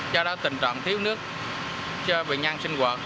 do đó tình trạng thiếu nước cho bệnh nhân sinh hoạt